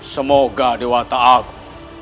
semoga dewata agung